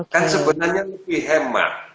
kan sebenarnya lebih hemat